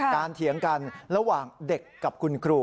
เถียงกันระหว่างเด็กกับคุณครู